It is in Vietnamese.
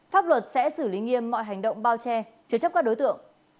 pháp luật sẽ xử lý nghiêm mọi hành động bao che chứa chấp các đối tượng